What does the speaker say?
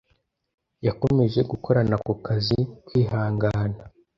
Yakomeje gukorana ako kazi kwihangana